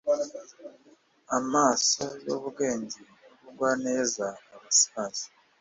Amaso yubwenge nubugwaneza abasaza